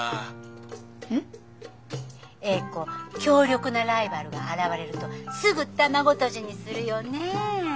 詠子強力なライバルが現れるとすぐ卵とじにするよね。